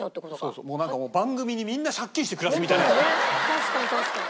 確かに確かに。